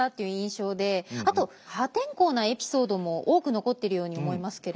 あと破天荒なエピソードも多く残ってるように思いますけれど。